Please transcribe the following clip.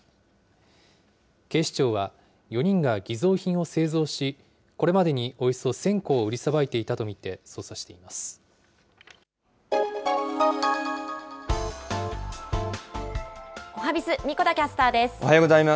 警視庁は４人が偽造品を製造し、これまでにおよそ１０００個を売りさばいていたと見て捜査していおはＢｉｚ、神子田キャスタおはようございます。